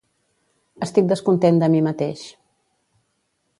Estic descontent de mi mateix.